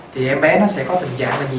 thì em bé nó sẽ có tình trạng là gì